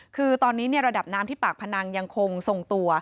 คือตอนนี้ระดับน้ำที่ปากพนังยังคงทรงตัว